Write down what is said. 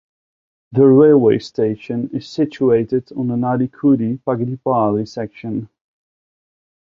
The railway station is situated on the Nadikudi-Pagidipalli section.